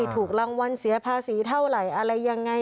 ถูกรางวัลเสียภาษีเท่าไหร่อะไรยังไง